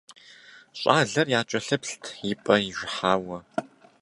Щӏалэр якӀэлъыплът и пӀэ ижыхьауэ.